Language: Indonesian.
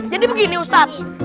jadi begini ustad